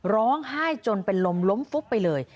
ร้องไห้จนเป็นลมล้มฟุบไปเลย